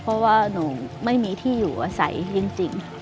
เพราะว่าหนูไม่มีที่อยู่อาศัยจริง